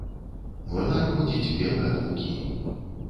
Млынар ходзіць белы ад мукі.